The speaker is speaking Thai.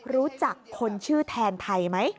รู้จักคนชื่อแทนไทยไหม